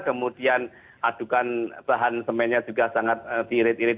kemudian adukan bahan semennya juga sangat tirit tirit